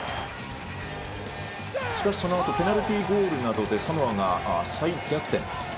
しかし、そのあとペナルティゴールなどでサモアが再逆転。